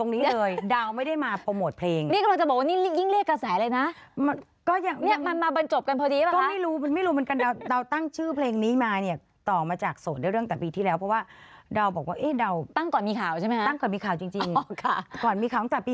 นี่เอามาตัดก่อนหรือหลังค่ะนี่